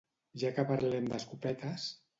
Ja que parlem d'escopetes...